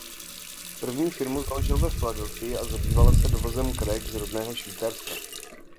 První firmu založil ve Filadelfii a zabývala se dovozem krajek z rodného Švýcarska.